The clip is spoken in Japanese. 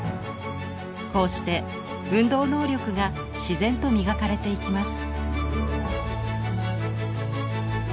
こうして運動能力が自然と磨かれていきます。